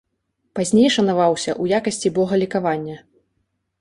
Пазней шанаваўся ў якасці бога лекавання.